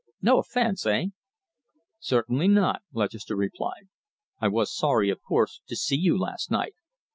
No offence, eh?" "Certainly not," Lutchester replied. "I was sorry, of course, to see you last night.